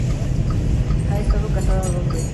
Ha estado casada dos veces.